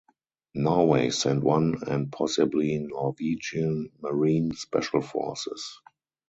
Norway sent one and possibly Norwegian marine special forces.